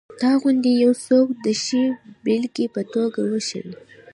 تا غوندې یو څوک د ښې بېلګې په توګه وښیي.